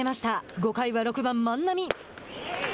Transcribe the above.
５回は、６番万波。